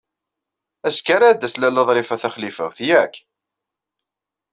Azekka ara d-tas Lalla Ḍrifa Taxlifawt, yak?